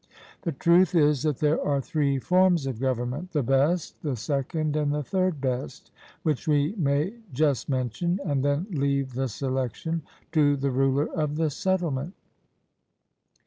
The truth is, that there are three forms of government, the best, the second and the third best, which we may just mention, and then leave the selection to the ruler of the settlement.